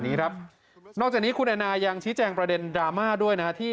นี้ครับนอกจากนี้คุณแอน่ายังชี้แจงประเด็นดราม่าด้วยนะที่